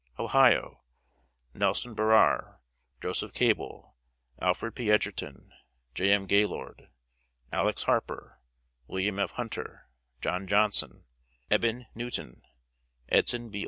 Ohio: Nelson Barrere, Joseph Cable, Alfred P. Edgerton, J. M. Gaylord, Alex. Harper, Wm. F. Hunter, John Johnson, Eben Newton, Edson B.